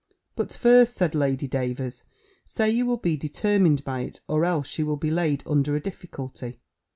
"But, first," said Lady Davers, "say you will be determined by it; or else she will be laid under a difficulty."